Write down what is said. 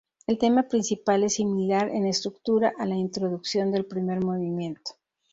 El tema principal es similar en estructura a la introducción del primer movimiento.